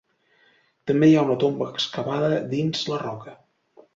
També hi ha una tomba excavada dins la roca.